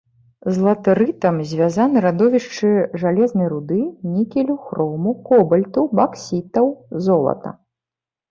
З латэрытам звязаны радовішчы жалезнай руды, нікелю, хрому, кобальту, баксітаў, золата.